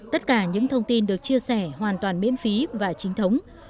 tất cả những thông tin được chia sẻ hoàn toàn miễn phí và chính thống